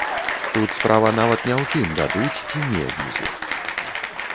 Тут справа нават не ў тым, дадуць ці не візу.